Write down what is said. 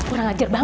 orang ajar banget